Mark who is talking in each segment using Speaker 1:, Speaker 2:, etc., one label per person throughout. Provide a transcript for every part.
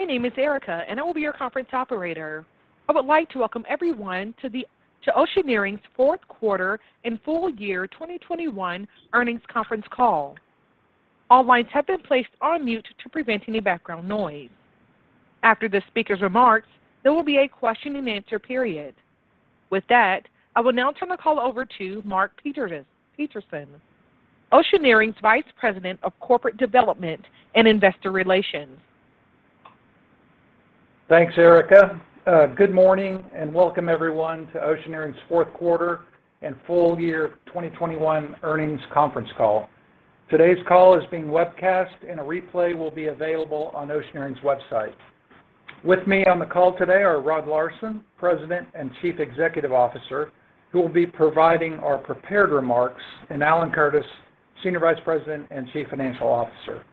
Speaker 1: My name is Erica, and I will be your conference operator. I would like to welcome everyone to Oceaneering's fourth quarter and full year 2021 earnings conference call. All lines have been placed on mute to prevent any background noise. After the speaker's remarks, there will be a question-and-answer period. With that, I will now turn the call over to Mark Peterson, Oceaneering's Vice President of Corporate Development and Investor Relations.
Speaker 2: Thanks, Erica. Good morning, and welcome everyone to Oceaneering's fourth quarter and full year 2021 earnings conference call. Today's call is being webcast and a replay will be available on Oceaneering's website. With me on the call today are Rod Larson, President and Chief Executive Officer, who will be providing our prepared remarks, and Alan Curtis, Senior Vice President and Chief Financial Officer.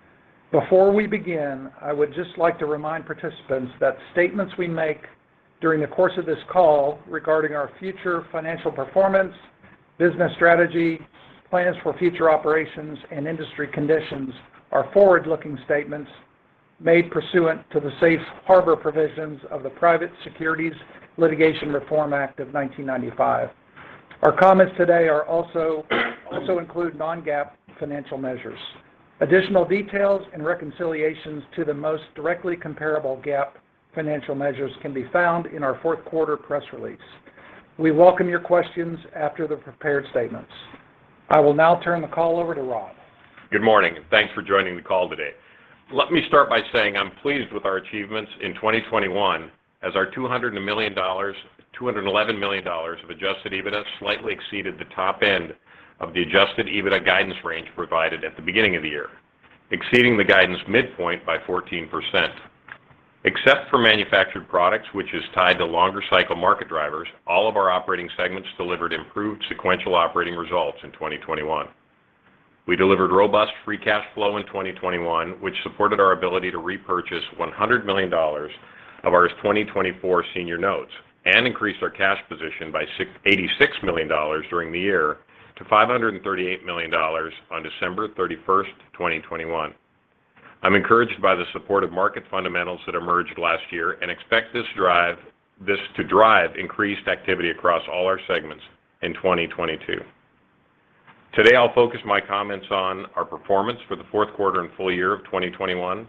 Speaker 2: Before we begin, I would just like to remind participants that statements we make during the course of this call regarding our future financial performance, business strategy, plans for future operations, and industry conditions are forward-looking statements made pursuant to the Safe Harbor provisions of the Private Securities Litigation Reform Act of 1995. Our comments today also include non-GAAP financial measures. Additional details and reconciliations to the most directly comparable GAAP financial measures can be found in our fourth quarter press release. We welcome your questions after the prepared statements. I will now turn the call over to Rod.
Speaker 3: Good morning, and thanks for joining the call today. Let me start by saying I'm pleased with our achievements in 2021 as our $211 million of adjusted EBITDA slightly exceeded the top end of the adjusted EBITDA guidance range provided at the beginning of the year, exceeding the guidance midpoint by 14%. Except for Manufactured Products, which is tied to longer cycle market drivers, all of our operating segments delivered improved sequential operating results in 2021. We delivered robust free cash flow in 2021, which supported our ability to repurchase $100 million of our 2024 senior notes and increased our cash position by $86 million during the year to $538 million on December 31st, 2021. I'm encouraged by the support of market fundamentals that emerged last year and expect this to drive increased activity across all our segments in 2022. Today, I'll focus my comments on our performance for the fourth quarter and full year of 2021,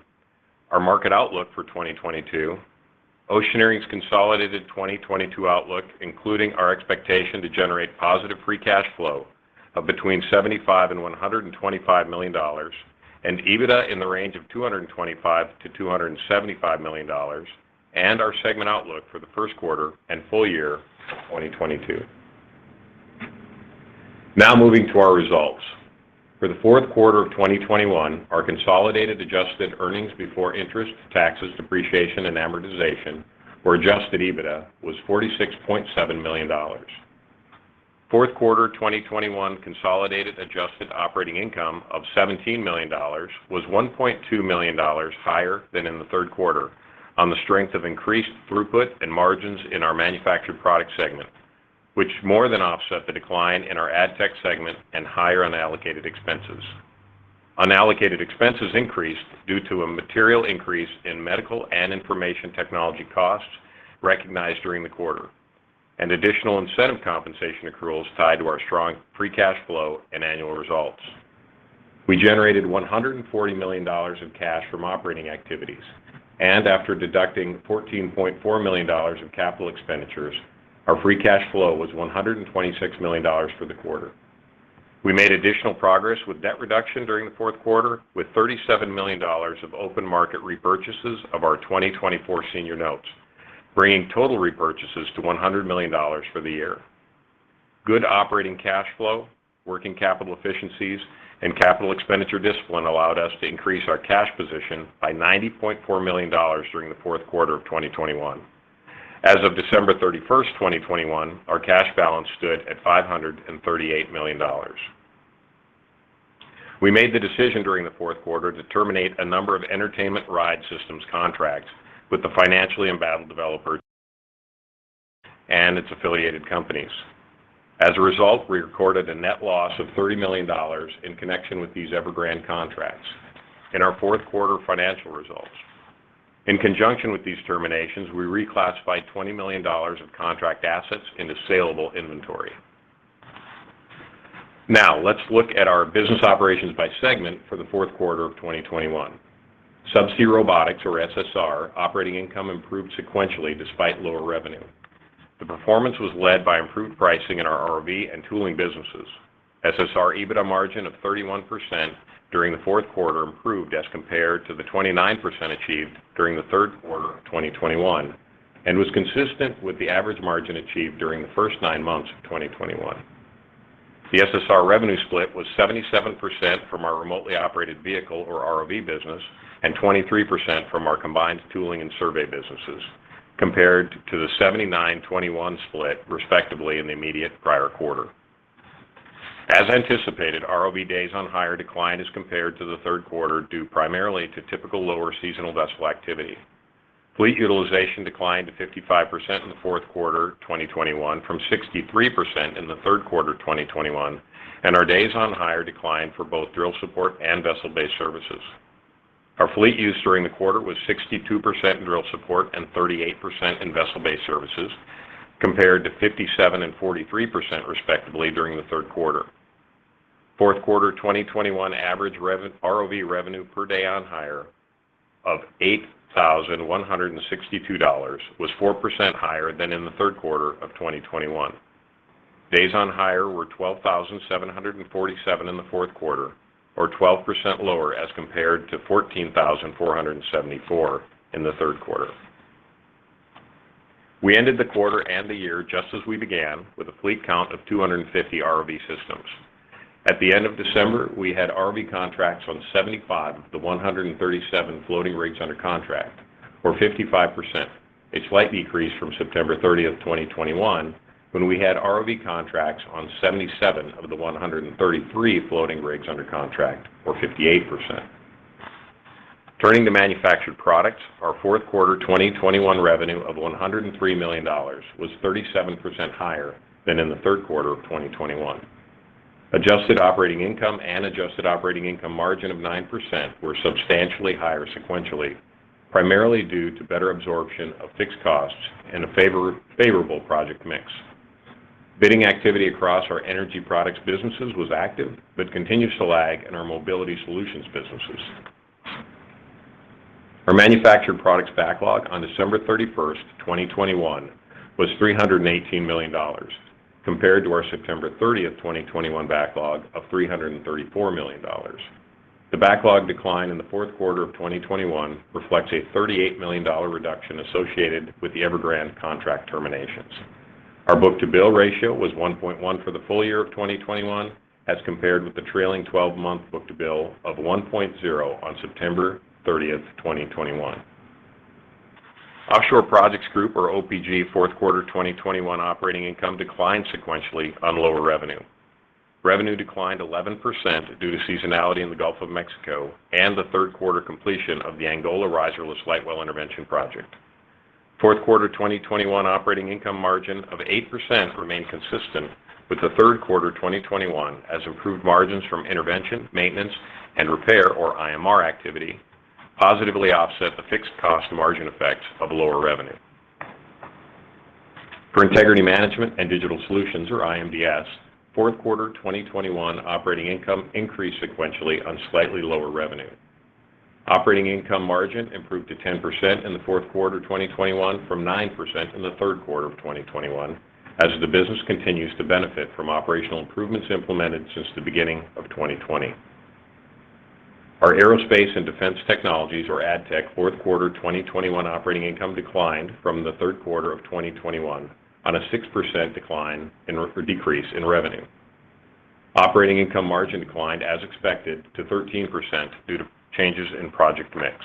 Speaker 3: our market outlook for 2022, Oceaneering's consolidated 2022 outlook, including our expectation to generate positive free cash flow of between $75 million and $125 million and EBITDA in the range of $225 million-$275 million, and our segment outlook for the first quarter and full year of 2022. Now moving to our results. For the fourth quarter of 2021, our consolidated adjusted earnings before interest, taxes, depreciation, and amortization, or adjusted EBITDA, was $46.7 million. Fourth quarter 2021 consolidated adjusted operating income of $17 million was $1.2 million higher than in the third quarter on the strength of increased throughput and margins in our Manufactured Products segment, which more than offset the decline in our ADTech segment and higher unallocated expenses. Unallocated expenses increased due to a material increase in medical and information technology costs recognized during the quarter, and additional incentive compensation accruals tied to our strong free cash flow and annual results. We generated $140 million of cash from operating activities. After deducting $14.4 million of capital expenditures, our free cash flow was $126 million for the quarter. We made additional progress with debt reduction during the fourth quarter, with $37 million of open market repurchases of our 2024 senior notes, bringing total repurchases to $100 million for the year. Good operating cash flow, working capital efficiencies, and capital expenditure discipline allowed us to increase our cash position by $90.4 million during the fourth quarter of 2021. As of December 31, 2021, our cash balance stood at $538 million. We made the decision during the fourth quarter to terminate a number of entertainment ride systems contracts with the financially embattled developer and its affiliated companies. As a result, we recorded a net loss of $30 million in connection with these Evergrande contracts in our fourth quarter financial results. In conjunction with these terminations, we reclassified $20 million of contract assets into saleable inventory. Now let's look at our business operations by segment for the fourth quarter of 2021. Subsea Robotics, or SSR, operating income improved sequentially despite lower revenue. The performance was led by improved pricing in our ROV and tooling businesses. SSR EBITDA margin of 31% during the fourth quarter improved as compared to the 29% achieved during the third quarter of 2021 and was consistent with the average margin achieved during the first nine months of 2021. The SSR revenue split was 77% from our remotely operated vehicle or ROV business and 23% from our combined tooling and survey businesses, compared to the 79/21 split respectively in the immediate prior quarter. As anticipated, ROV days on hire declined as compared to the third quarter due primarily to typical lower seasonal vessel activity. Fleet utilization declined to 55% in the fourth quarter 2021 from 63% in the third quarter 2021, and our days on hire declined for both drill support and vessel-based services. Our fleet use during the quarter was 62% in drill support and 38% in vessel-based services, compared to 57% and 43%, respectively, during the third quarter. Fourth quarter 2021 average ROV revenue per day on hire of $8,162 was 4% higher than in the third quarter of 2021. Days on hire were 12,747 in the fourth quarter, or 12% lower as compared to 14,474 in the third quarter. We ended the quarter and the year just as we began with a fleet count of 250 ROV systems. At the end of December, we had ROV contracts on 75 of the 137 floating rigs under contract, or 55%. A slight decrease from September 30, 2021, when we had ROV contracts on 77 of the 133 floating rigs under contract, or 58%. Turning to Manufactured Products, our fourth quarter 2021 revenue of $103 million was 37% higher than in the third quarter of 2021. Adjusted operating income and adjusted operating income margin of 9% were substantially higher sequentially, primarily due to better absorption of fixed costs and a favorable project mix. Bidding activity across our energy products businesses was active but continues to lag in our Mobility Solutions businesses. Our Manufactured Products backlog on December 31, 2021, was $318 million compared to our September 30, 2021, backlog of $334 million. The backlog decline in the fourth quarter of 2021 reflects a $38 million reduction associated with the Evergrande contract terminations. Our book-to-bill ratio was 1.1 for the full year of 2021 as compared with the trailing 12-month book-to-bill of 1.0 on September 30, 2021. Offshore Projects Group, or OPG, fourth quarter 2021 operating income declined sequentially on lower revenue. Revenue declined 11% due to seasonality in the Gulf of Mexico and the third quarter completion of the Angola riserless light well intervention project. Fourth quarter 2021 operating income margin of 8% remained consistent with the third quarter 2021 as improved margins from intervention, maintenance, and repair, or IMR, activity positively offset the fixed cost margin effects of lower revenue. For Integrity Management and Digital Solutions, or IMDS, fourth quarter 2021 operating income increased sequentially on slightly lower revenue. Operating income margin improved to 10% in the fourth quarter 2021 from 9% in the third quarter of 2021 as the business continues to benefit from operational improvements implemented since the beginning of 2020. Our Aerospace and Defense Technologies, or ADTech, fourth quarter 2021 operating income declined from the third quarter of 2021 on a 6% decrease in revenue. Operating income margin declined as expected to 13% due to changes in project mix.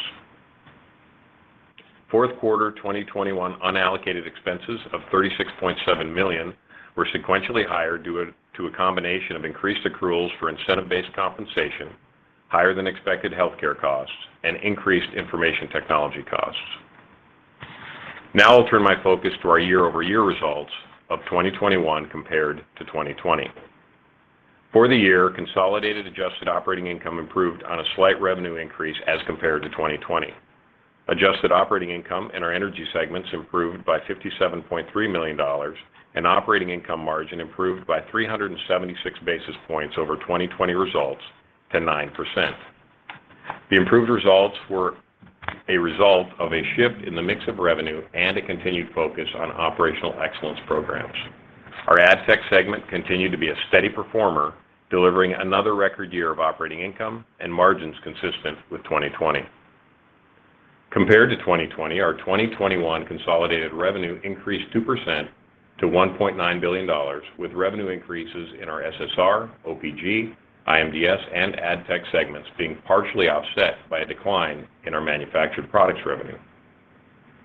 Speaker 3: Fourth quarter 2021 unallocated expenses of $36.7 million were sequentially higher due to a combination of increased accruals for incentive-based compensation, higher than expected healthcare costs, and increased information technology costs. Now I'll turn my focus to our year-over-year results of 2021 compared to 2020. For the year, consolidated adjusted operating income improved on a slight revenue increase as compared to 2020. Adjusted operating income in our energy segments improved by $57.3 million, and operating income margin improved by 376 basis points over 2020 results to 9%. The improved results were a result of a shift in the mix of revenue and a continued focus on operational excellence programs. Our ADTech segment continued to be a steady performer, delivering another record year of operating income and margins consistent with 2020. Compared to 2020, our 2021 consolidated revenue increased 2% to $1.9 billion with revenue increases in our SSR, OPG, IMDS, and ADTech segments being partially offset by a decline in our Manufactured Products revenue.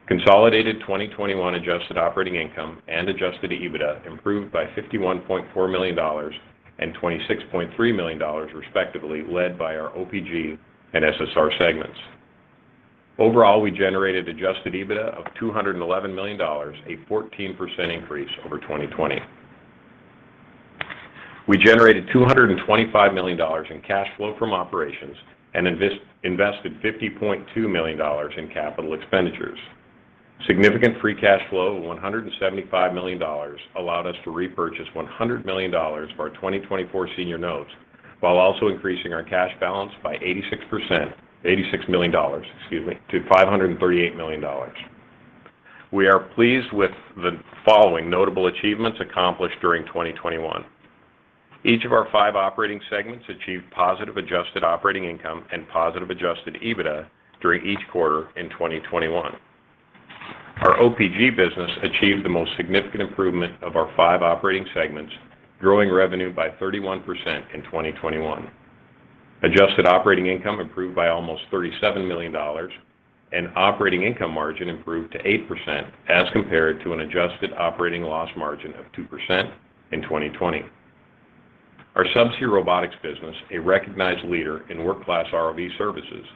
Speaker 3: Consolidated 2021 adjusted operating income and adjusted EBITDA improved by $51.4 million and $26.3 million respectively, led by our OPG and SSR segments. Overall, we generated adjusted EBITDA of $211 million, a 14% increase over 2020. We generated $225 million in cash flow from operations and invested $50.2 million in capital expenditures. Significant free cash flow of $175 million allowed us to repurchase $100 million of our 2024 senior notes while also increasing our cash balance by 86%, $86 million, excuse me, to $538 million. We are pleased with the following notable achievements accomplished during 2021. Each of our five operating segments achieved positive adjusted operating income and positive adjusted EBITDA during each quarter in 2021. Our OPG business achieved the most significant improvement of our five operating segments, growing revenue by 31% in 2021. Adjusted operating income improved by almost $37 million, and operating income margin improved to 8% as compared to an adjusted operating loss margin of 2% in 2020. Our subsea robotics business, a recognized leader in work-class ROV services,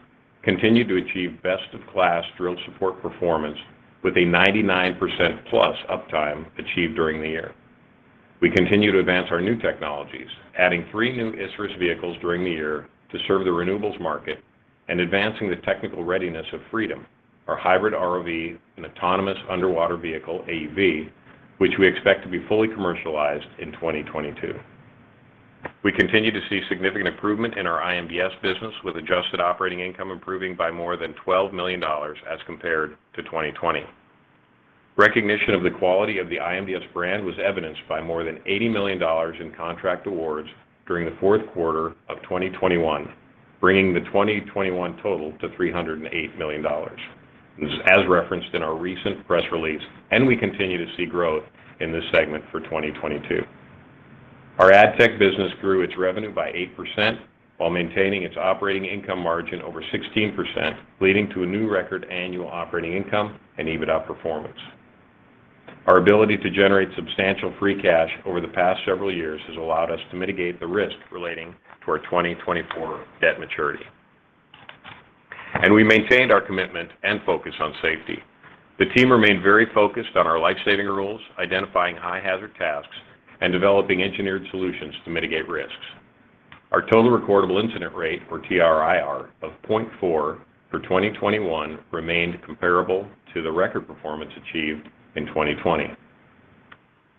Speaker 3: continued to achieve best-of-class drill support performance with a 99%+ uptime achieved during the year. We continue to advance our new technologies, adding three new Isurus vehicles during the year to serve the renewables market and advancing the technical readiness of Freedom, our hybrid ROV and autonomous underwater vehicle, AUV, which we expect to be fully commercialized in 2022. We continue to see significant improvement in our IMDS business with adjusted operating income improving by more than $12 million as compared to 2020. Recognition of the quality of the IMDS brand was evidenced by more than $80 million in contract awards during the fourth quarter of 2021, bringing the 2021 total to $308 million. This is as referenced in our recent press release, and we continue to see growth in this segment for 2022. Our ADTech business grew its revenue by 8% while maintaining its operating income margin over 16%, leading to a new record annual operating income and EBITDA performance. Our ability to generate substantial free cash over the past several years has allowed us to mitigate the risk relating to our 2024 debt maturity. We maintained our commitment and focus on safety. The team remained very focused on our life-saving rules, identifying high-hazard tasks, and developing engineered solutions to mitigate risks. Our total recordable incident rate, or TRIR, of 0.4 for 2021 remained comparable to the record performance achieved in 2020.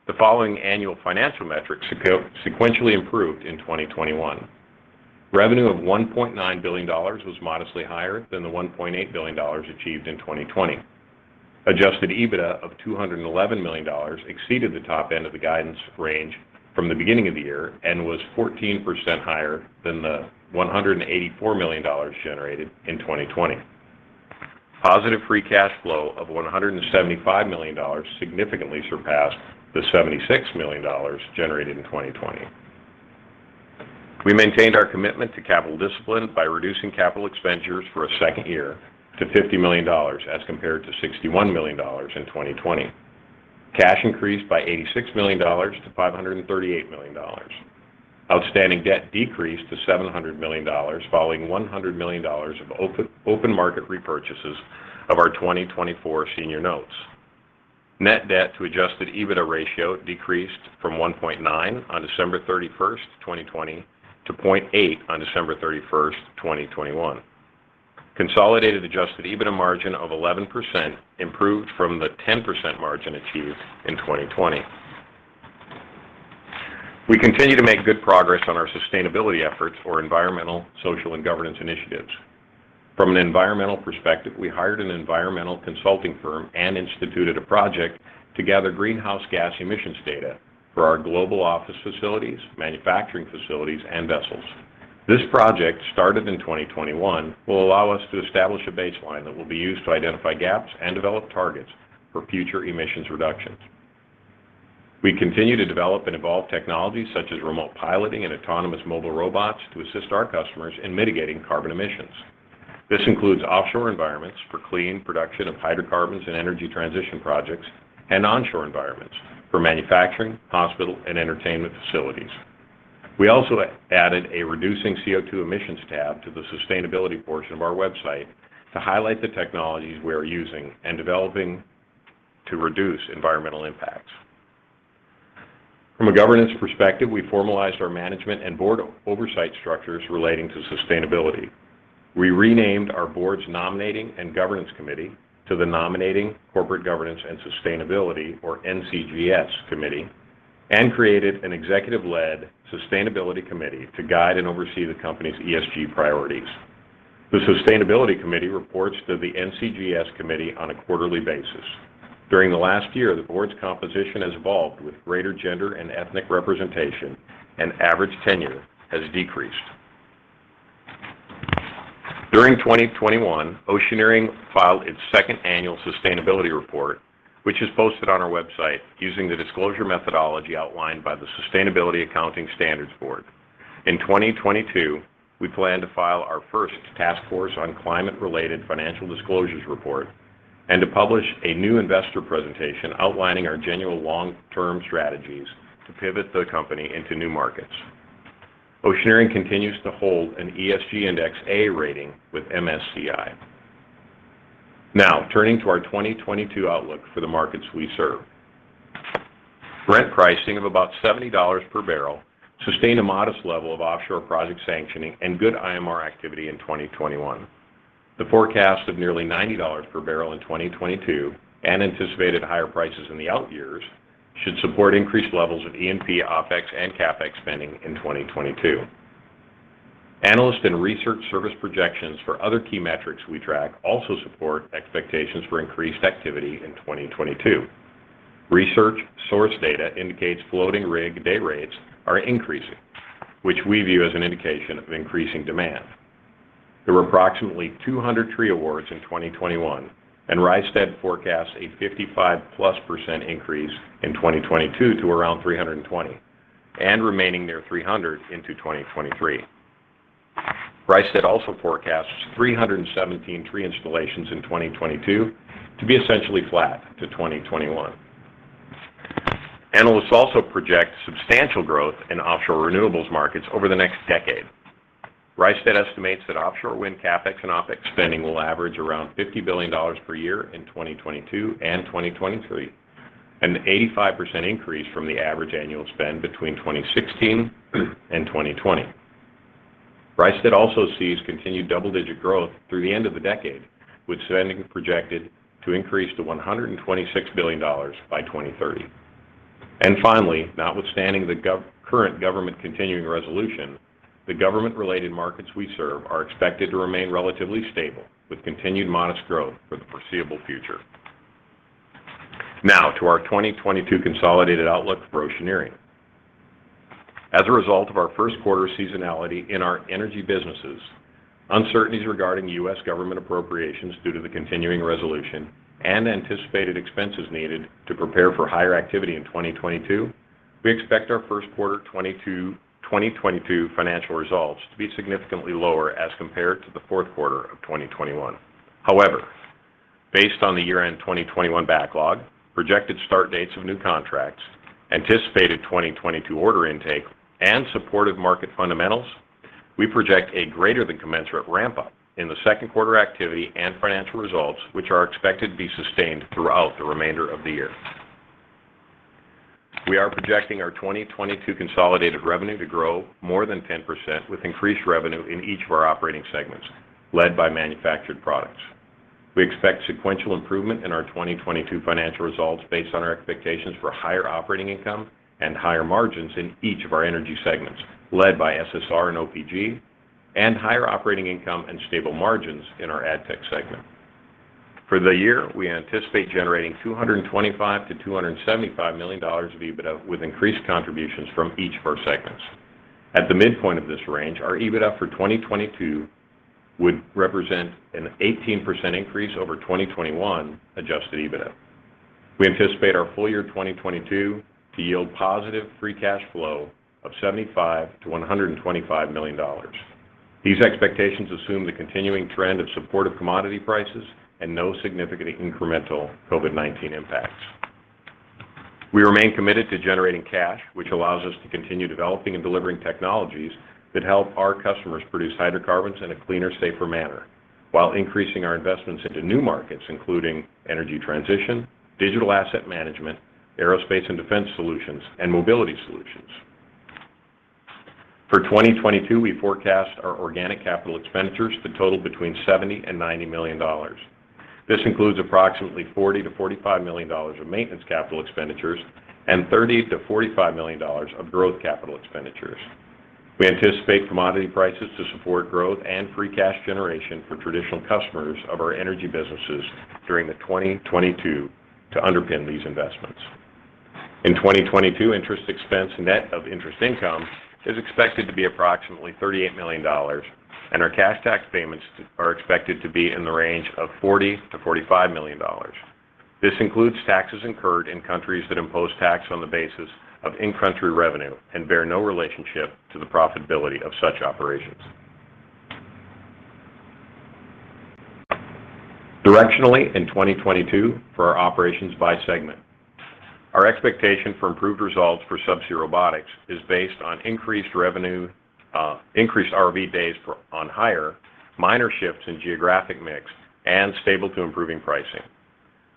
Speaker 3: The following annual financial metrics sequentially improved in 2021. Revenue of $1.9 billion was modestly higher than the $1.8 billion achieved in 2020. Adjusted EBITDA of $211 million exceeded the top end of the guidance range from the beginning of the year and was 14% higher than the $184 million generated in 2020. Positive free cash flow of $175 million significantly surpassed the $76 million generated in 2020. We maintained our commitment to capital discipline by reducing capital expenditures for a second year to $50 million as compared to $61 million in 2020. Cash increased by $86 million to $538 million. Outstanding debt decreased to $700 million following $100 million of open market repurchases of our 2024 senior notes. Net debt to adjusted EBITDA ratio decreased from 1.9 on December 31, 2020 to 0.8 on December 31, 2021. Consolidated adjusted EBITDA margin of 11% improved from the 10% margin achieved in 2020. We continue to make good progress on our sustainability efforts for environmental, social, and governance initiatives. From an environmental perspective, we hired an environmental consulting firm and instituted a project to gather greenhouse gas emissions data for our global office facilities, manufacturing facilities, and vessels. This project, started in 2021, will allow us to establish a baseline that will be used to identify gaps and develop targets for future emissions reductions. We continue to develop and evolve technologies such as remote piloting and autonomous mobile robots to assist our customers in mitigating carbon emissions. This includes offshore environments for clean production of hydrocarbons and energy transition projects and onshore environments for manufacturing, hospital, and entertainment facilities. We also added a reducing CO2 emissions tab to the sustainability portion of our website to highlight the technologies we are using and developing to reduce environmental impacts. From a governance perspective, we formalized our management and board oversight structures relating to sustainability. We renamed our board's Nominating and Governance Committee to the Nominating, Corporate Governance, and Sustainability, or NCGS, Committee and created an executive-led Sustainability Committee to guide and oversee the company's ESG priorities. The Sustainability Committee reports to the NCGS Committee on a quarterly basis. During the last year, the board's composition has evolved with greater gender and ethnic representation and average tenure has decreased. During 2021, Oceaneering filed its second annual sustainability report, which is posted on our website using the disclosure methodology outlined by the Sustainability Accounting Standards Board. In 2022, we plan to file our first Task Force on Climate-related Financial Disclosures report and to publish a new investor presentation outlining our genuine long-term strategies to pivot the company into new markets. Oceaneering continues to hold an ESG Index A rating with MSCI. Now, turning to our 2022 outlook for the markets we serve. Brent pricing of about $70 per barrel sustained a modest level of offshore project sanctioning and good IMR activity in 2021. The forecast of nearly $90 per barrel in 2022 and anticipated higher prices in the out years should support increased levels of E&P OpEx and CapEx spending in 2022. Analyst and research service projections for other key metrics we track also support expectations for increased activity in 2022. Research source data indicates floating rig day rates are increasing, which we view as an indication of increasing demand. There were approximately 200 tree awards in 2021, and Rystad forecasts a 55%+ increase in 2022 to around 320 and remaining near 300 into 2023. Rystad also forecasts 317 tree installations in 2022 to be essentially flat to 2021. Analysts also project substantial growth in offshore renewables markets over the next decade. Rystad estimates that offshore wind CapEx and OpEx spending will average around $50 billion per year in 2022 and 2023, an 85% increase from the average annual spend between 2016 and 2020. Rystad also sees continued double-digit growth through the end of the decade, with spending projected to increase to $126 billion by 2030. Finally, notwithstanding the current government continuing resolution, the government-related markets we serve are expected to remain relatively stable, with continued modest growth for the foreseeable future. Now to our 2022 consolidated outlook for Oceaneering. As a result of our first quarter seasonality in our energy businesses, uncertainties regarding U.S. government appropriations due to the continuing resolution and anticipated expenses needed to prepare for higher activity in 2022, we expect our first quarter 2022 financial results to be significantly lower as compared to the fourth quarter of 2021. However, based on the year-end 2021 backlog, projected start dates of new contracts, anticipated 2022 order intake, and supportive market fundamentals, we project a greater than commensurate ramp up in the second quarter activity and financial results, which are expected to be sustained throughout the remainder of the year. We are projecting our 2022 consolidated revenue to grow more than 10%, with increased revenue in each of our operating segments, led by Manufactured Products. We expect sequential improvement in our 2022 financial results based on our expectations for higher operating income and higher margins in each of our energy segments, led by SSR and OPG, and higher operating income and stable margins in our ADTech segment. For the year, we anticipate generating $225 million-$275 million of EBITDA, with increased contributions from each of our segments. At the midpoint of this range, our EBITDA for 2022 would represent an 18% increase over 2021 adjusted EBITDA. We anticipate our full year 2022 to yield positive free cash flow of $75 million-$125 million. These expectations assume the continuing trend of supportive commodity prices and no significant incremental COVID-19 impacts. We remain committed to generating cash, which allows us to continue developing and delivering technologies that help our customers produce hydrocarbons in a cleaner, safer manner while increasing our investments into new markets, including energy transition, digital asset management, Aerospace and Defense Solutions, and Mobility Solutions. For 2022, we forecast our organic capital expenditures to total between $70 million and $90 million. This includes approximately $40 million-$45 million of maintenance capital expenditures and $30 million-$45 million of growth capital expenditures. We anticipate commodity prices to support growth and free cash generation for traditional customers of our energy businesses during 2022, to underpin these investments. In 2022, interest expense net of interest income is expected to be approximately $38 million, and our cash tax payments are expected to be in the range of $40 million-$45 million. This includes taxes incurred in countries that impose tax on the basis of in-country revenue and bear no relationship to the profitability of such operations. Directionally in 2022 for our operations by segment, our expectation for improved results for Subsea Robotics is based on increased revenue, increased ROV days on hire, minor shifts in geographic mix, and stable to improving pricing.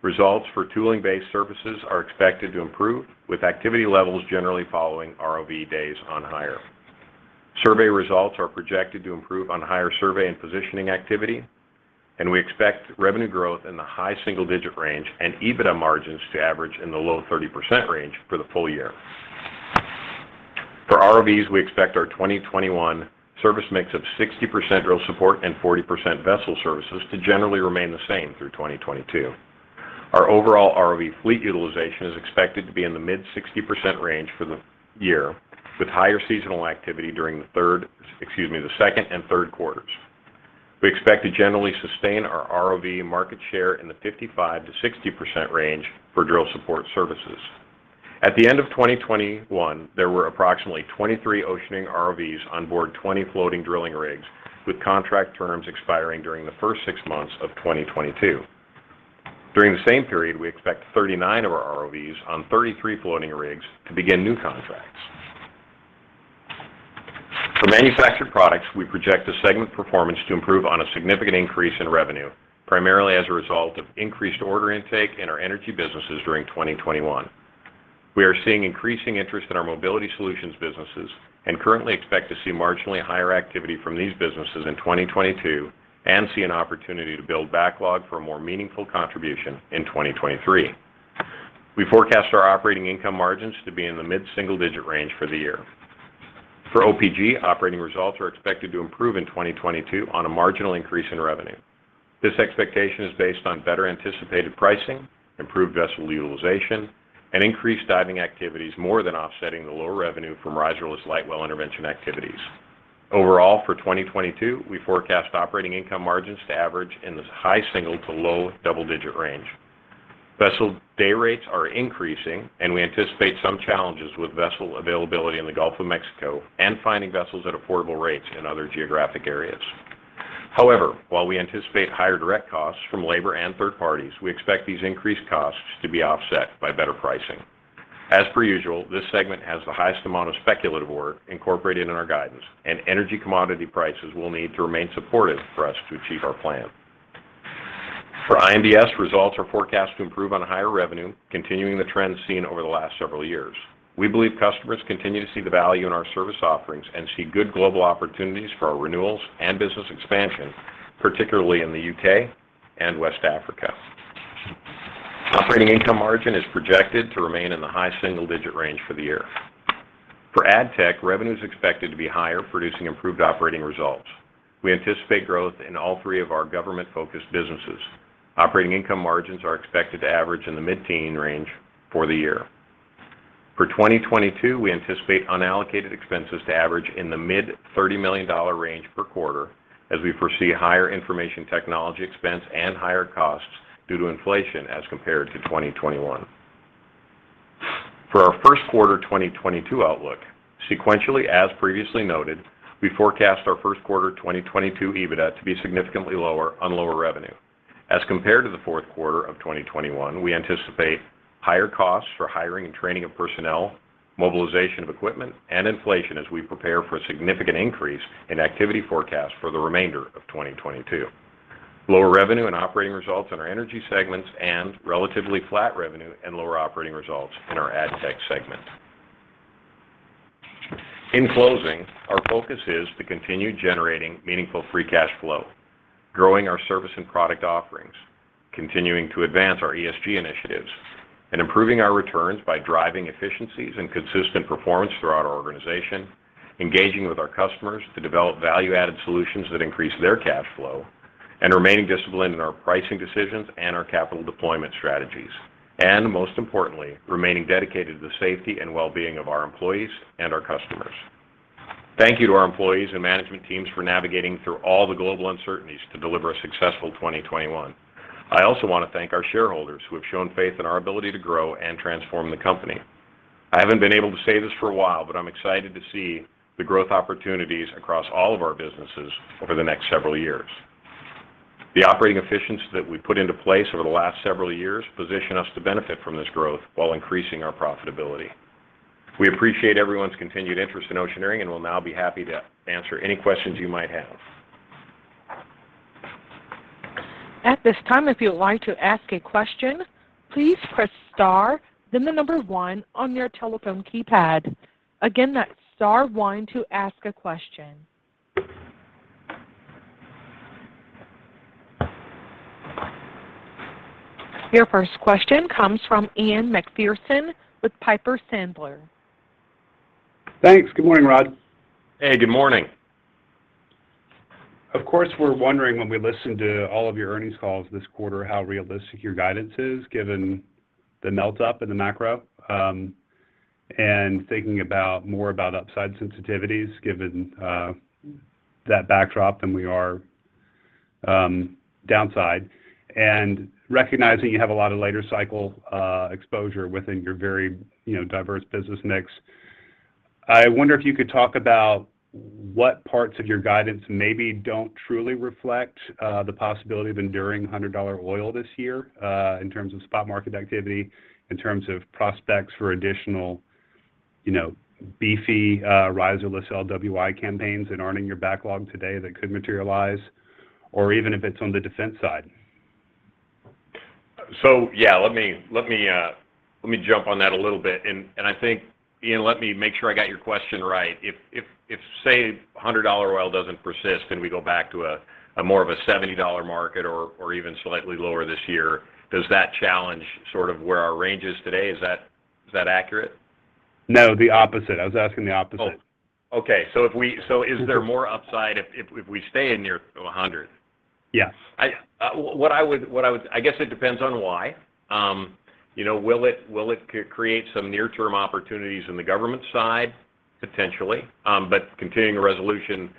Speaker 3: Results for tooling-based services are expected to improve, with activity levels generally following ROV days on hire. Survey results are projected to improve on higher survey and positioning activity, and we expect revenue growth in the high single-digit range and EBITDA margins to average in the low-30% range for the full year. For ROVs, we expect our 2021 service mix of 60% drill support and 40% vessel services to generally remain the same through 2022. Our overall ROV fleet utilization is expected to be in the mid-60% range for the year, with higher seasonal activity during the second and third quarters. We expect to generally sustain our ROV market share in the 55%-60% range for drill support services. At the end of 2021, there were approximately 23 Oceaneering ROVs on board 20 floating drilling rigs, with contract terms expiring during the first six months of 2022. During the same period, we expect 39 of our ROVs on 33 floating rigs to begin new contracts. For Manufactured Products, we project the segment performance to improve on a significant increase in revenue, primarily as a result of increased order intake in our energy businesses during 2021. We are seeing increasing interest in our Mobility Solutions businesses and currently expect to see marginally higher activity from these businesses in 2022 and see an opportunity to build backlog for a more meaningful contribution in 2023. We forecast our operating income margins to be in the mid-single digit range for the year. For OPG, operating results are expected to improve in 2022 on a marginal increase in revenue. This expectation is based on better anticipated pricing, improved vessel utilization, and increased diving activities more than offsetting the lower revenue from riserless light well intervention activities. Overall, for 2022, we forecast operating income margins to average in the high single- to low double-digit range. Vessel day rates are increasing, and we anticipate some challenges with vessel availability in the Gulf of Mexico and finding vessels at affordable rates in other geographic areas. However, while we anticipate higher direct costs from labor and third parties, we expect these increased costs to be offset by better pricing. As per usual, this segment has the highest amount of speculative work incorporated in our guidance, and energy commodity prices will need to remain supportive for us to achieve our plan. For IMDS, results are forecast to improve on higher revenue, continuing the trend seen over the last several years. We believe customers continue to see the value in our service offerings and see good global opportunities for our renewals and business expansion, particularly in the U.K. and West Africa. Operating income margin is projected to remain in the high single-digit range for the year. For ADTech, revenue is expected to be higher, producing improved operating results. We anticipate growth in all three of our government-focused businesses. Operating income margins are expected to average in the mid-teen range for the year. For 2022, we anticipate unallocated expenses to average in the mid-$30 million range per quarter as we foresee higher information technology expense and higher costs due to inflation as compared to 2021. For our first quarter 2022 outlook, sequentially, as previously noted, we forecast our first quarter 2022 EBITDA to be significantly lower on lower revenue. As compared to the fourth quarter of 2021, we anticipate higher costs for hiring and training of personnel, mobilization of equipment, and inflation as we prepare for a significant increase in activity forecast for the remainder of 2022. Lower revenue and operating results in our energy segments and relatively flat revenue and lower operating results in our ADTech segment. In closing, our focus is to continue generating meaningful free cash flow, growing our service and product offerings, continuing to advance our ESG initiatives, and improving our returns by driving efficiencies and consistent performance throughout our organization, engaging with our customers to develop value-added solutions that increase their cash flow, and remaining disciplined in our pricing decisions and our capital deployment strategies. Most importantly, remaining dedicated to the safety and well-being of our employees and our customers. Thank you to our employees and management teams for navigating through all the global uncertainties to deliver a successful 2021. I also want to thank our shareholders who have shown faith in our ability to grow and transform the company. I haven't been able to say this for a while, but I'm excited to see the growth opportunities across all of our businesses over the next several years. The operating efficiency that we put into place over the last several years position us to benefit from this growth while increasing our profitability. We appreciate everyone's continued interest in Oceaneering and we'll now be happy to answer any questions you might have.
Speaker 1: At this time, if you would like to ask a question, please press star, then the number one on your telephone keypad. Again, that's star one to ask a question. Your first question comes from Ian Macpherson with Piper Sandler.
Speaker 4: Thanks. Good morning, Rod.
Speaker 3: Hey, good morning.
Speaker 4: Of course, we're wondering when we listen to all of your earnings calls this quarter how realistic your guidance is given the melt up in the macro and thinking about more about upside sensitivities given that backdrop than we are downside. Recognizing you have a lot of later cycle exposure within your very diverse business mix, I wonder if you could talk about what parts of your guidance maybe don't truly reflect the possibility of enduring $100 oil this year in terms of spot market activity, in terms of prospects for additional beefy riserless LWI campaigns that aren't in your backlog today that could materialize, or even if it's on the defense side.
Speaker 3: Yeah, let me jump on that a little bit. I think, Ian, let me make sure I got your question right. If, say, $100 oil doesn't persist and we go back to a more of a $70 market or even slightly lower this year, does that challenge sort of where our range is today? Is that accurate?
Speaker 4: No, the opposite. I was asking the opposite.
Speaker 3: Okay. Is there more upside if we stay in near $100?
Speaker 4: Yes.
Speaker 3: I guess it depends on why. Will it create some near-term opportunities in the government side? Potentially. Continuing the resolution,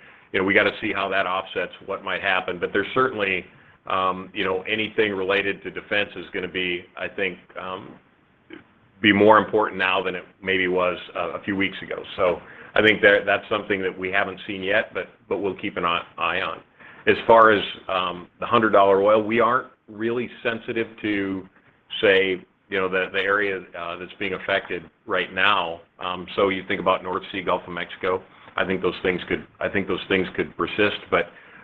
Speaker 3: we got to see how that offsets what might happen. There's certainly anything related to defense is going to be, I think, more important now than it maybe was a few weeks ago. I think that's something that we haven't seen yet, but we'll keep an eye on. As far as the $100 oil, we aren't really sensitive to, say, the area that's being affected right now. You think about North Sea, Gulf of Mexico. I think those things could persist.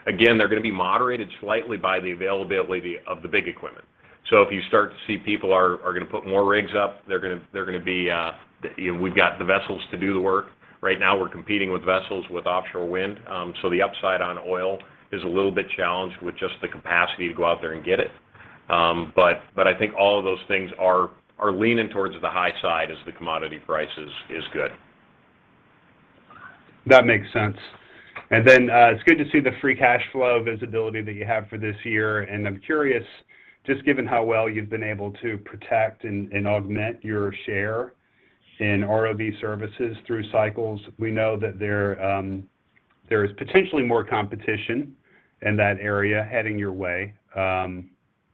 Speaker 3: Again, they're going to be moderated slightly by the availability of the big equipment. If you start to see people are going to put more rigs up, we've got the vessels to do the work. Right now, we're competing with vessels with offshore wind. The upside on oil is a little bit challenged with just the capacity to go out there and get it. I think all of those things are leaning towards the high side as the commodity price is good.
Speaker 4: That makes sense. Then it's good to see the free cash flow visibility that you have for this year. I'm curious, just given how well you've been able to protect and augment your share in ROV services through cycles, we know that there is potentially more competition in that area heading your way, you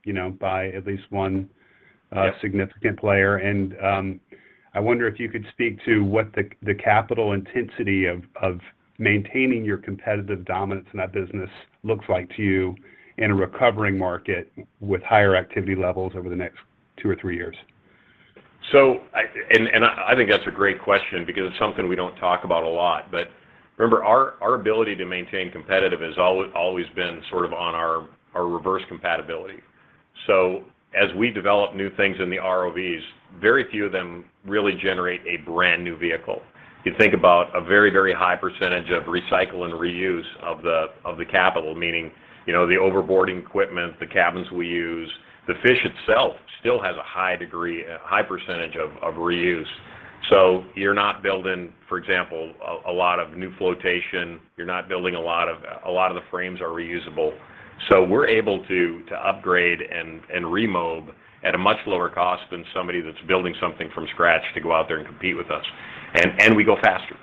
Speaker 4: know, by at least one significant player. I wonder if you could speak to what the capital intensity of maintaining your competitive dominance in that business looks like to you in a recovering market with higher activity levels over the next two or three years.
Speaker 3: I think that's a great question because it's something we don't talk about a lot. Remember, our ability to maintain competitive has always been sort of on our reverse compatibility. As we develop new things in the ROVs, very few of them really generate a brand-new vehicle. You think about a very high percentage of recycle and reuse of the capital, meaning, you know, the overboarding equipment, the cabins we use. The fish itself still has a high degree, a high percentage of reuse. You're not building, for example, a lot of new flotation. A lot of the frames are reusable. We're able to upgrade and remob at a much lower cost than somebody that's building something from scratch to go out there and compete with us. We go faster.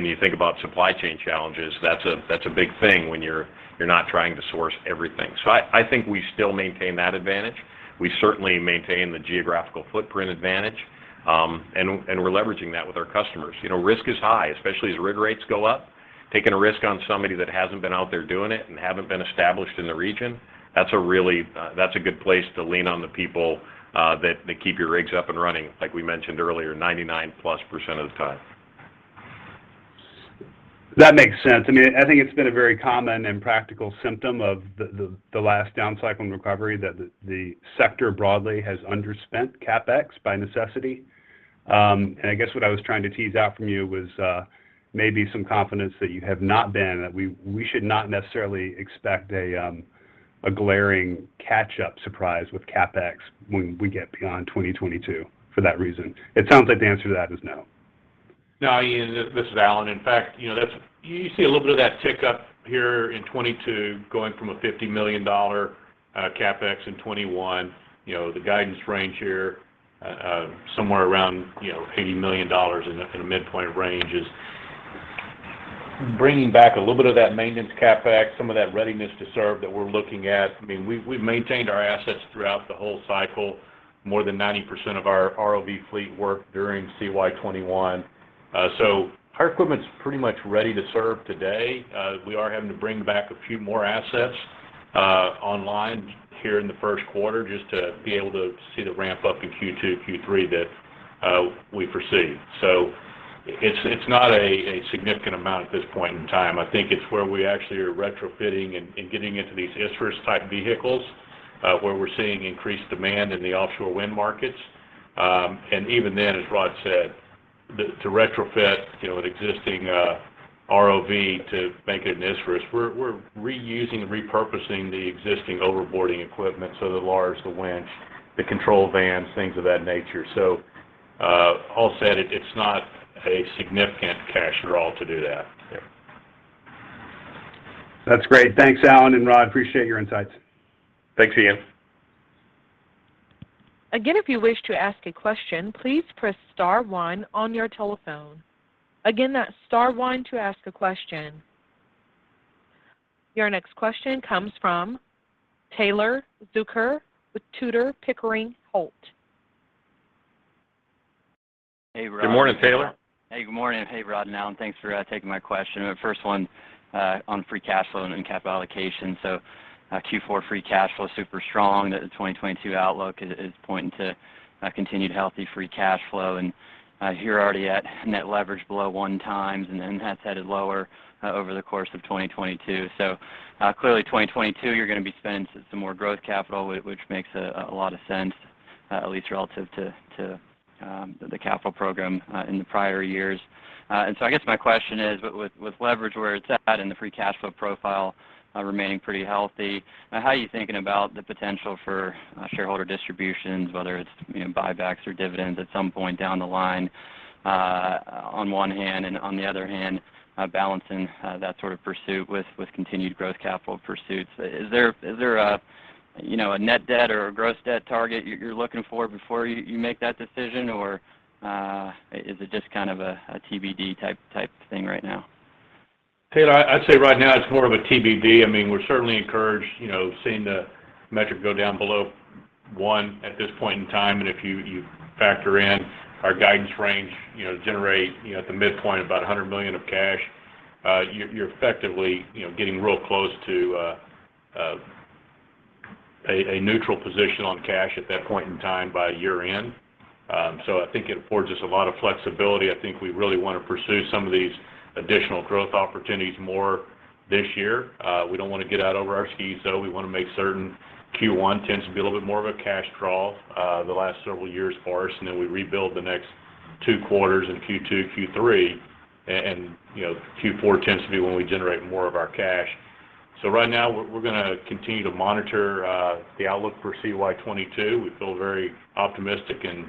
Speaker 3: You think about supply chain challenges, that's a big thing when you're not trying to source everything. I think we still maintain that advantage. We certainly maintain the geographical footprint advantage, and we're leveraging that with our customers. You know, risk is high, especially as rig rates go up. Taking a risk on somebody that hasn't been out there doing it and haven't been established in the region, that's a good place to lean on the people that keep your rigs up and running, like we mentioned earlier, 99%+ of the time.
Speaker 4: That makes sense. I mean, I think it's been a very common and practical symptom of the last down cycle in recovery that the sector broadly has underspent CapEx by necessity. I guess what I was trying to tease out from you was maybe some confidence that we should not necessarily expect a glaring catch-up surprise with CapEx when we get beyond 2022 for that reason. It sounds like the answer to that is no.
Speaker 5: No, Ian, this is Alan. In fact, you know, you see a little bit of that tick up here in 2022 going from a $50 million CapEx in 2021. You know, the guidance range here, somewhere around, you know, $80 million in a midpoint range is bringing back a little bit of that maintenance CapEx, some of that readiness to serve that we're looking at. I mean, we've maintained our assets throughout the whole cycle. More than 90% of our ROV fleet worked during CY 2021. So our equipment's pretty much ready to serve today. We are having to bring back a few more assets online here in the first quarter just to be able to see the ramp up in Q2, Q3 that we foresee. It's not a significant amount at this point in time. I think it's where we actually are retrofitting and getting into these Isurus-type vehicles, where we're seeing increased demand in the offshore wind markets. Even then, as Rod said, to retrofit, you know, an existing ROV to make it an Isurus, we're reusing and repurposing the existing overboarding equipment, so the large winch, the control vans, things of that nature. All said, it's not a significant cash draw to do that.
Speaker 4: That's great. Thanks, Alan and Rod. Appreciate your insights.
Speaker 5: Thanks, Ian.
Speaker 1: Again, if you wish to ask a question, please press star one on your telephone. Again, that's star one to ask a question. Your next question comes from Taylor Zurcher with Tudor, Pickering, Holt.
Speaker 3: Good morning, Taylor.
Speaker 6: Hey, good morning. Hey, Rod and Alan. Thanks for taking my question. First one on free cash flow and capital allocation. Q4 free cash flow is super strong. The 2022 outlook is pointing to continued healthy free cash flow. You're already at net leverage below 1x, and then that's headed lower over the course of 2022. Clearly 2022, you're gonna be spending some more growth capital, which makes a lot of sense, at least relative to the capital program in the prior years. I guess my question is, with leverage where it's at and the free cash flow profile remaining pretty healthy, how are you thinking about the potential for shareholder distributions, whether it's, you know, buybacks or dividends at some point down the line, on one hand and on the other hand, balancing that sort of pursuit with continued growth capital pursuits? Is there, you know, a net debt or a gross debt target you're looking for before you make that decision or is it just kind of a TBD type thing right now?
Speaker 5: Taylor, I'd say right now it's more of a TBD. I mean, we're certainly encouraged, you know, seeing the metric go down below one at this point in time. If you factor in our guidance range, you know, generate, you know, at the midpoint about $100 million of cash, you're effectively, you know, getting real close to a neutral position on cash at that point in time by year-end. I think it affords us a lot of flexibility. I think we really wanna pursue some of these additional growth opportunities more this year. We don't wanna get out over our skis, though. We wanna make certain Q1 tends to be a little bit more of a cash draw the last several years for us, and then we rebuild the next two quarters in Q2, Q3, and, you know, Q4 tends to be when we generate more of our cash. Right now we're gonna continue to monitor the outlook for CY 2022. We feel very optimistic and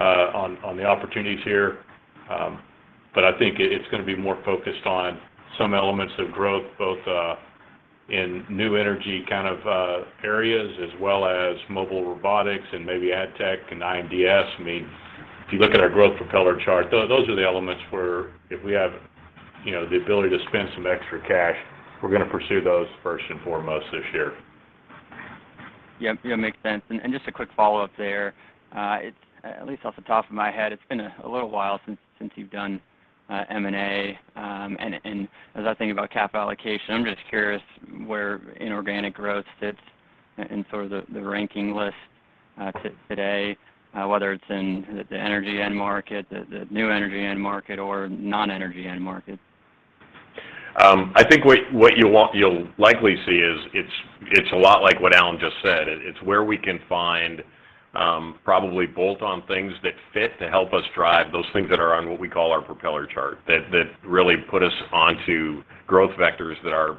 Speaker 5: on the opportunities here. I think it's gonna be more focused on some elements of growth, both In new energy kind of areas as well as mobile robotics and maybe ADTech and IMDS. I mean, if you look at our growth propeller chart, those are the elements where if we have, you know, the ability to spend some extra cash, we're gonna pursue those first and foremost this year.
Speaker 6: Yep. Yeah, makes sense. Just a quick follow-up there. At least off the top of my head, it's been a little while since you've done M&A. As I think about capital allocation, I'm just curious where inorganic growth sits in sort of the ranking list today, whether it's in the energy end market, the new energy end market, or non-energy end market.
Speaker 3: I think what you'll likely see is it's a lot like what Alan just said. It's where we can find probably bolt on things that fit to help us drive those things that are on what we call our propeller chart, that really put us onto growth vectors that are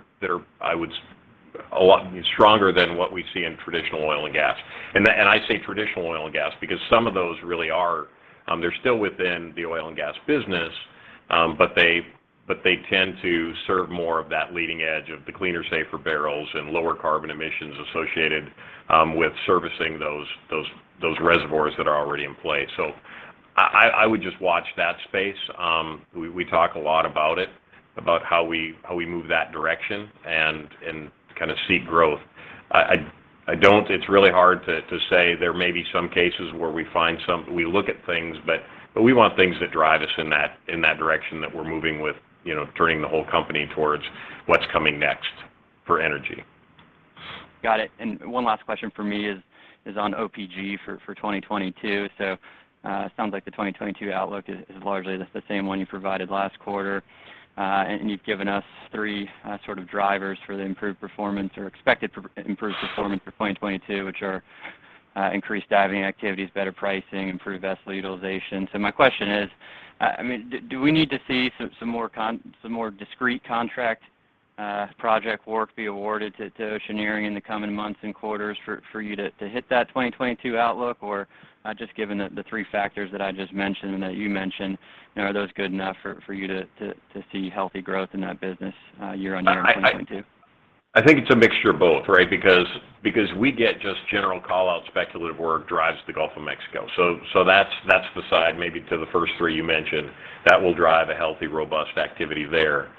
Speaker 3: a lot stronger than what we see in traditional oil and gas. I say traditional oil and gas because some of those really are still within the oil and gas business, but they tend to serve more of that leading edge of the cleaner, safer barrels and lower carbon emissions associated with servicing those reservoirs that are already in place. So I would just watch that space.
Speaker 5: We talk a lot about it, about how we move that direction and kind of seek growth. I don't. It's really hard to say. There may be some cases where we find some. We look at things, but we want things that drive us in that direction that we're moving with, you know, turning the whole company towards what's coming next for energy.
Speaker 6: Got it. One last question from me is on OPG for 2022. Sounds like the 2022 outlook is largely just the same one you provided last quarter. You've given us three sort of drivers for the improved performance or expected improved performance for 2022, which are increased diving activities, better pricing, improved vessel utilization. My question is, do we need to see some more discrete contract project work be awarded to Oceaneering in the coming months and quarters for you to hit that 2022 outlook? Just given the three factors that I just mentioned and that you mentioned, you know, are those good enough for you to see healthy growth in that business, year-on-year in 2022?
Speaker 3: I think it's a mixture of both, right? Because we get just general call-out speculative work drives the Gulf of Mexico. That's the side maybe to the first three you mentioned that will drive a healthy, robust activity there.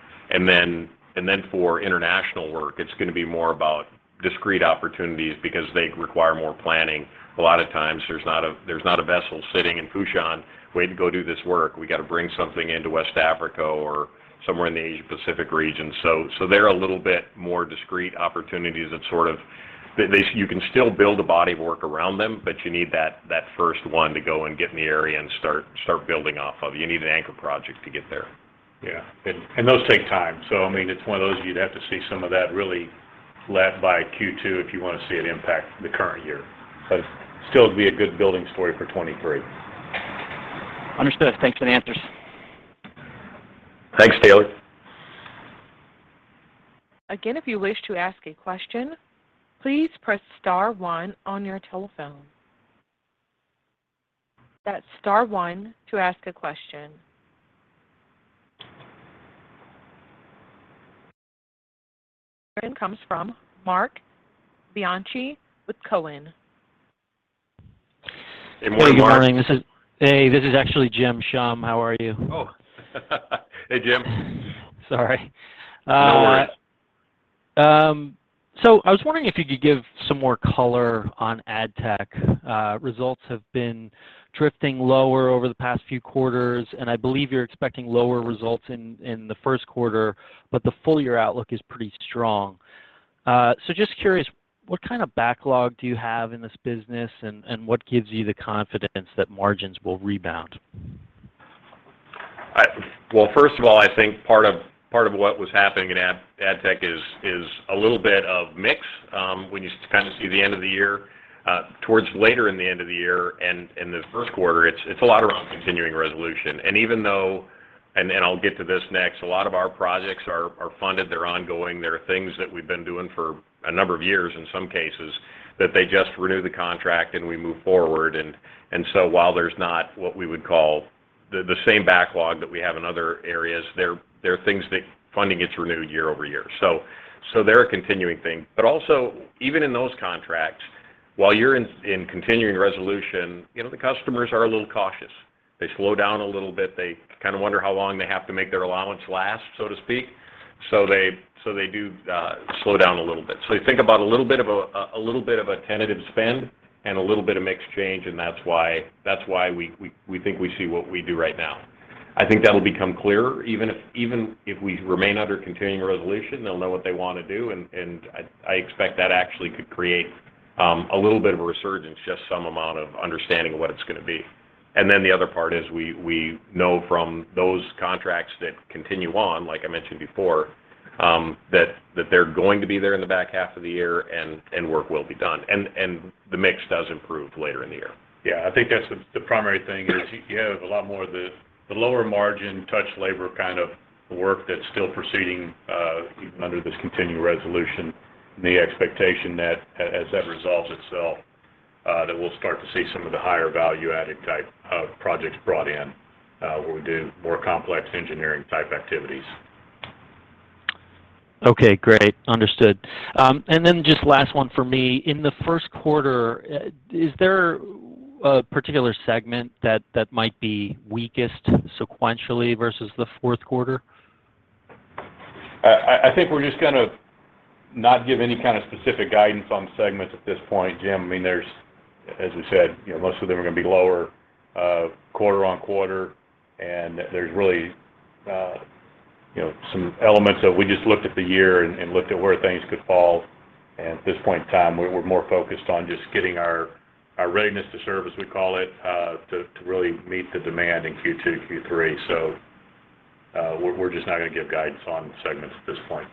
Speaker 3: For international work, it's gonna be more about discrete opportunities because they require more planning. A lot of times, there's not a vessel sitting in Fujairah waiting to go do this work. We gotta bring something into West Africa or somewhere in the Asia Pacific region. They're a little bit more discrete opportunities. You can still build a body of work around them, but you need that first one to go and get in the area and start building off of. You need an anchor project to get there.
Speaker 5: Yeah. Those take time. I mean, it's one of those, you'd have to see some of that really led by Q2 if you wanna see an impact the current year. Still it'd be a good building story for 2023.
Speaker 6: Understood. Thanks for the answers.
Speaker 3: Thanks, Taylor.
Speaker 1: Your turn comes from Marc Bianchi with Cowen.
Speaker 3: Hey, morning, Mark.
Speaker 7: Hey, morning. Hey, this is actually Jim Schumm. How are you?
Speaker 3: Oh. Hey, Jim.
Speaker 7: Sorry.
Speaker 3: No worries.
Speaker 7: I was wondering if you could give some more color on ADTech. Results have been drifting lower over the past few quarters, and I believe you're expecting lower results in the first quarter, but the full year outlook is pretty strong. Just curious, what kind of backlog do you have in this business and what gives you the confidence that margins will rebound?
Speaker 3: Well, first of all, I think part of what was happening in ADTech is a little bit of mix, when you kind of see the end of the year. Towards later in the end of the year and in the first quarter, it's a lot around continuing resolution. Even though I'll get to this next, a lot of our projects are funded, they're ongoing. There are things that we've been doing for a number of years in some cases, that they just renew the contract and we move forward. While there's not what we would call the same backlog that we have in other areas, there are things that funding gets renewed year over year. They're a continuing thing. Also, even in those contracts, while you're in continuing resolution, you know, the customers are a little cautious. They slow down a little bit. They kind of wonder how long they have to make their allowance last, so to speak. They do slow down a little bit. You think about a little bit of a tentative spend and a little bit of mix change, and that's why we think we see what we do right now. I think that'll become clearer. Even if we remain under continuing resolution, they'll know what they wanna do, and I expect that actually could create a little bit of a resurgence, just some amount of understanding of what it's gonna be. The other part is we know from those contracts that continue on, like I mentioned before, that they're going to be there in the back half of the year and the mix does improve later in the year.
Speaker 5: Yeah. I think that's the primary thing is you have a lot more of the lower margin touch labor kind of work that's still proceeding, even under this continuing resolution, and the expectation that as that resolves itself, that we'll start to see some of the higher value-added type of projects brought in, where we do more complex engineering type activities.
Speaker 7: Okay. Great. Understood. Just last one for me. In the first quarter, is there a particular segment that might be weakest sequentially versus the fourth quarter?
Speaker 5: I think we're just gonna not give any kind of specific guidance on segments at this point, Jim. I mean, as we said, you know, most of them are gonna be lower quarter-on-quarter, and there's really, you know, some elements that we just looked at the year and looked at where things could fall. At this point in time, we're more focused on just getting our readiness to serve, as we call it, to really meet the demand in Q2, Q3. We're just not gonna give guidance on segments at this point.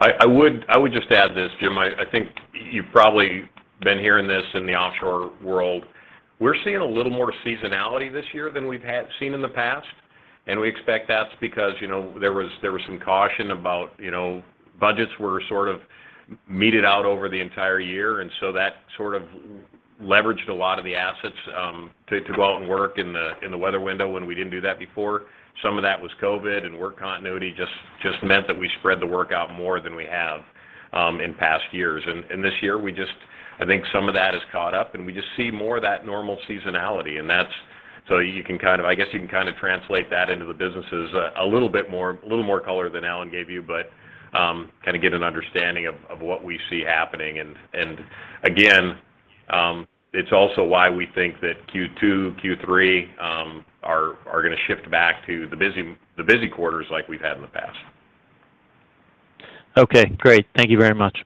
Speaker 3: I would just add this, Jim. I think you've probably been hearing this in the offshore world. We're seeing a little more seasonality this year than we've had seen in the past, and we expect that's because, you know, there was some caution about, you know. Budgets were sort of meted out over the entire year, and so that sort of leveraged a lot of the assets to go out and work in the weather window when we didn't do that before. Some of that was COVID, and work continuity just meant that we spread the work out more than we have in past years. This year, we just think some of that has caught up, and we just see more of that normal seasonality, and that's you can kind of. I guess you can kind of translate that into the businesses, a little more color than Alan gave you, but kind of get an understanding of what we see happening. Again, it's also why we think that Q2, Q3 are gonna shift back to the busy quarters like we've had in the past.
Speaker 7: Okay. Great. Thank you very much.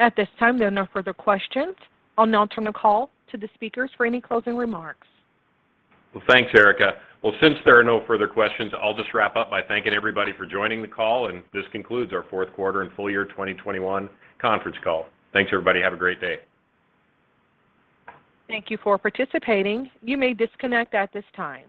Speaker 1: At this time, there are no further questions. I'll now turn the call to the speakers for any closing remarks.
Speaker 3: Well, thanks, Erica. Well, since there are no further questions, I'll just wrap up by thanking everybody for joining the call, and this concludes our fourth quarter and full year 2021 conference call. Thanks, everybody. Have a great day.
Speaker 1: Thank you for participating. You may disconnect at this time.